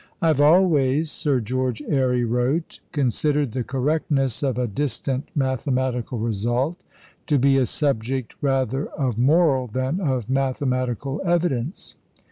"I have always," Sir George Airy wrote, "considered the correctness of a distant mathematical result to be a subject rather of moral than of mathematical evidence."